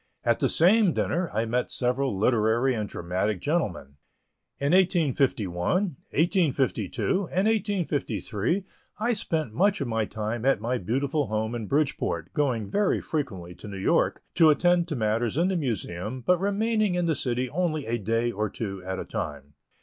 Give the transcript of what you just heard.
At the same dinner, I met several literary and dramatic gentlemen. In 1851, 1852, and 1853, I spent much of my time at my beautiful home in Bridgeport, going very frequently to New York, to attend to matters in the Museum, but remaining in the city only a day or two at a time.